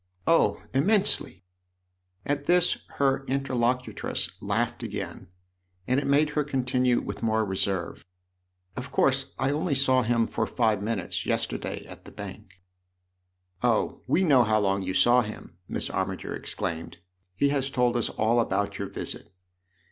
" Oh, immensely 1 " At this her interlocutress laughed again, and it made her con tinue with more reserve :" Of course I only saw him for five minutes yesterday at the Bank." " Oh, we know how long you saw him !" Miss Armiger exclaimed. "He has told us all about your visit."